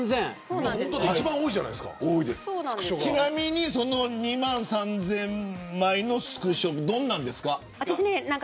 ちなみに２万３０００枚のスクショどんなのですか。